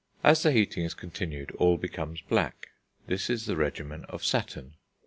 As the heating is continued, all becomes black; this is the regimen of Saturn.